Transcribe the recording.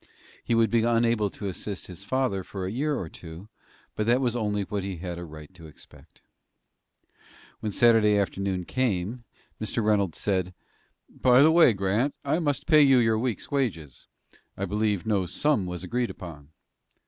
He would be unable to assist his father for a year or two; but that was only what he had a right to expect. When Saturday afternoon came, Mr. Reynolds said: "By the way, Grant, I must pay you your week's wages. I believe no sum was agreed upon."